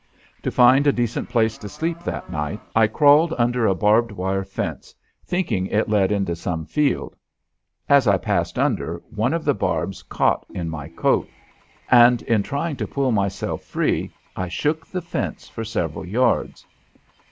To find a decent place to sleep that night I crawled under a barbed wire fence, thinking it led into some field. As I passed under, one of the barbs caught in my coat, and in trying to pull myself free I shook the fence for several yards.